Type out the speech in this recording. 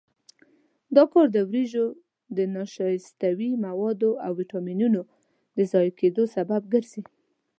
دا کار د وریجو د نشایستوي موادو او ویټامینونو د ضایع کېدو سبب ګرځي.